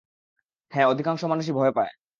হ্যাঁ, অধিকাংশ মানুষই ভয় পায়।